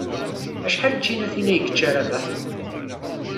Acḥal n tcinatin ay yecca Rabaḥ?